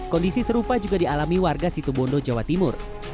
kondisi serupa juga dialami warga situbondo jawa timur